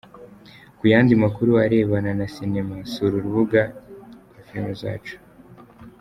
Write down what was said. Ku yandi makuru arebana na Sinema sura urubuga Filmzacu.